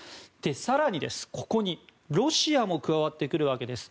更に、ここにロシアも加わってくるわけです。